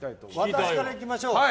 私からいきましょう。